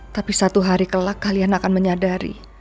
tapi satu hari kelak kalian akan menyadari